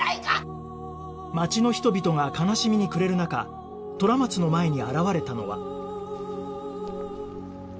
町の人々が悲しみに暮れる中虎松の前に現れたのは